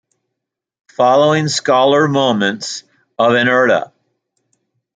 Following are scalar moments of inertia.